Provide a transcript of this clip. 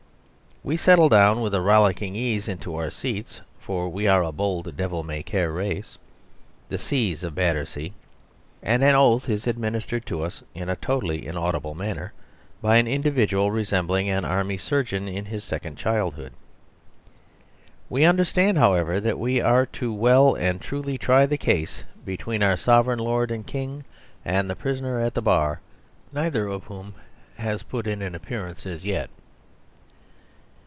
We settle down with a rollicking ease into our seats (for we are a bold, devil may care race, the C's of Battersea), and an oath is administered to us in a totally inaudible manner by an individual resembling an Army surgeon in his second childhood. We understand, however, that we are to well and truly try the case between our sovereign lord the King and the prisoner at the bar, neither of whom has put in an appearance as yet.